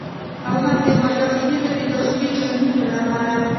او هم د مجاهدینو د داخلي جنګونو له امله